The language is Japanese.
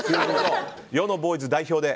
世のボーイズ代表で。